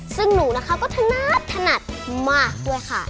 ซึ่งหนูนะคะก็ถนัดถนัดมากด้วยค่ะ